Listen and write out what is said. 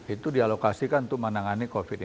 itu dialokasikan untuk menangani covid sembilan belas